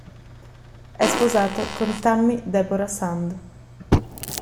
È sposato con Tammy Deborah Sand.